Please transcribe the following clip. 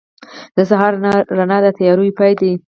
• د سهار رڼا د تیارو پای دی.